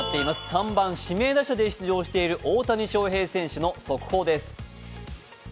３番・指名打者で出場している大谷翔平の速報です。